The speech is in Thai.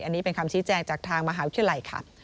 อันนี้เป็นคำชี้แจงจากทางมหาวิทยาลัยค่ะ